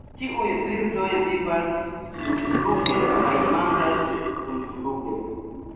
Tiuj birdoj vivas dumfluge kaj manĝas dumfluge.